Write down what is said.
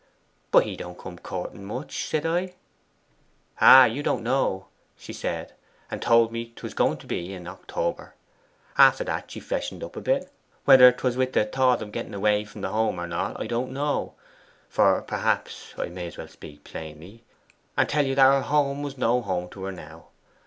'"But he don't come courting much," I said. "'Ah! you don't know," she said, and told me 'twas going to be in October. After that she freshened up a bit whether 'twas with the thought of getting away from home or not, I don't know. For, perhaps, I may as well speak plainly, and tell you that her home was no home to her now.